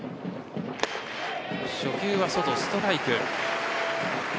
初球は外、ストライク。